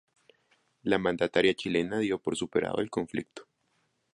La mandataria chilena dio por superado el conflicto.